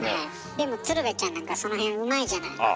でも鶴瓶ちゃんなんかその辺うまいじゃない。